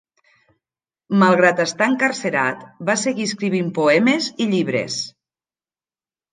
Malgrat estar encarcerat, va seguir escrivint poemes i llibres.